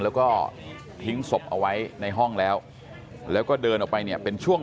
แล้วก็ทิ้งศพเอาไว้ในห้องแล้วแล้วก็เดินออกไปเนี่ยเป็นช่วง